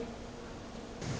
tại địa bàn